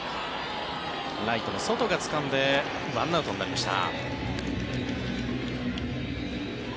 ライトのソトがつかんで１アウトになりました。